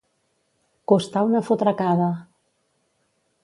Costar una fotracada.